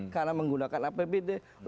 karena menggunakan apbd